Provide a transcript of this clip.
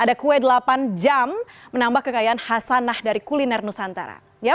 ada kue delapan jam menambah kekayaan hasanah dari kuliner nusantara